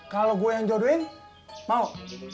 kalau gue yang jodohin mau